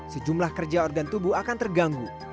sejumlah kerja organ tubuh akan terganggu